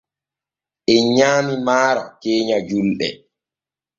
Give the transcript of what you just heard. En nyaamii maaro keenya julɗe.